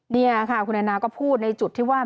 นี่ค่ะคุณแอนนาก็พูดในจุดที่ว่า